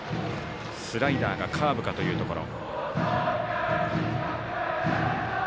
スライダーかカーブかというところ。